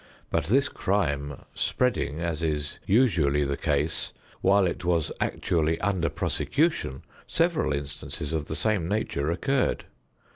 But this crime spreading (as is usually the case) while it was actually under prosecution, several instances of the same nature occurred.